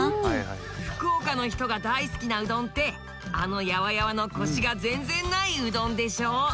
福岡の人が大好きなうどんってあのやわやわのコシが全然ないうどんでしょ？